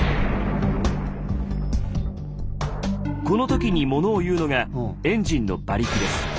この時にものを言うのがエンジンの馬力です。